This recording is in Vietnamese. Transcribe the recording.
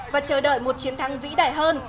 và chờ đợi một chiến thắng vĩ đại hơn